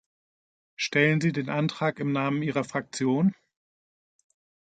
Stellen Sie den Antrag im Namen Ihrer Fraktion?